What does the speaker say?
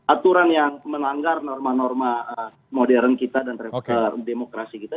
aturan yang melanggar norma norma modern kita dan demokrasi kita